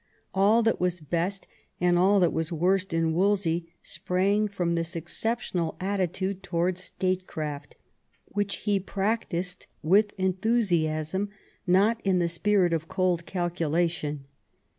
All that was best^ and all that was worst, in Wolsey sprang from this ex ceptional attitude towards statecraft, which he practised with enthusiasm, not in the spirit of cold calculation.